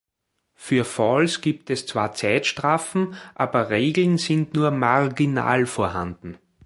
Für Fouls gibt es zwar Zeitstrafen, aber Regeln sind nur marginal vorhanden.